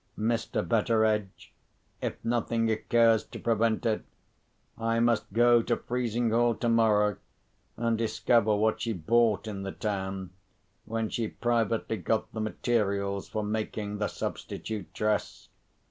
Mr. Betteredge, if nothing occurs to prevent it, I must go to Frizinghall tomorrow, and discover what she bought in the town, when she privately got the materials for making the substitute dress.